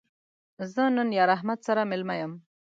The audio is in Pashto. زه نن یار احمد سره مېلمه یم